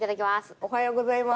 おはようございまーす。